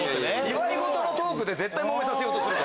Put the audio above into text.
祝い事のトークで絶対もめさせようとする。